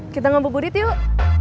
kita ngobrol budit yuk